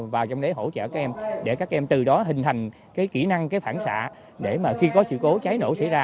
vào trong đấy hỗ trợ các em để các em từ đó hình thành kỹ năng phản xạ để khi có sự cố cháy nổ xảy ra